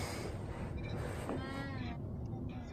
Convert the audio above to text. mbele baada ya maisha haya hawaongelei juu ya